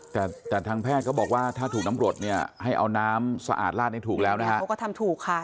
แต่แต่ทางแพทย์ก็บอกว่าถ้าถูกน้ำรดเนี่ยให้เอาน้ำสะอาดลาดให้ถูกแล้วนะฮะเขาก็ทำถูกค่ะ